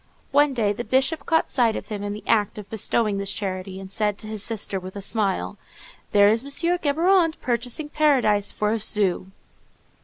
One day the Bishop caught sight of him in the act of bestowing this charity, and said to his sister, with a smile, "There is M. Géborand purchasing paradise for a sou."